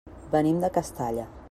Venim de Castalla.